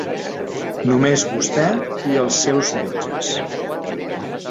Només vosté i els seus metges.